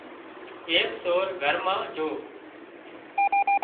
ايڪ سور گھر مان جھو